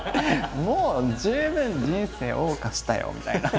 もう十分人生謳歌したよみたいな。